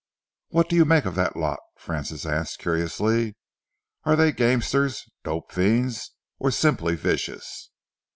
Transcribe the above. "What do you make of that lot?" Francis asked curiously. "Are they gamesters, dope fiends, or simply vicious?"